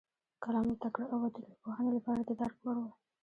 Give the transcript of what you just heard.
کلام د تکړه او وتلیو پوهانو لپاره د درک وړ و.